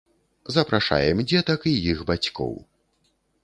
Запрашаем дзетак і іх бацькоў!